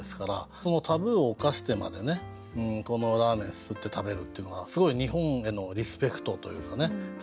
そのタブーを犯してまでねこのラーメンすすって食べるっていうのはすごい日本へのリスペクトというか感じられて。